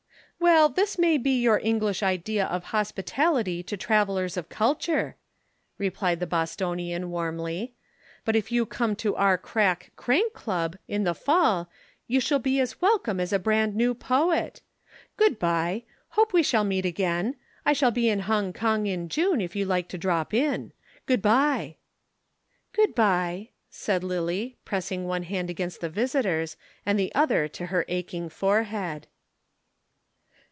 "Well, this may be your English idea of hospitality to travellers of culture," replied the Bostonian warmly, "but if you come to our crack Crank Club in the fall you shall be as welcome as a brand new poet. Good bye. Hope we shall meet again. I shall be in Hong Kong in June if you like to drop in. Good bye." "Good bye," said Lillie, pressing one hand against the visitor's and the other to her aching forehead.